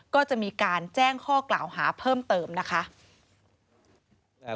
ก็จะมีการแจ้งข้อกล่าวหาเพิ่มเติมนะคะ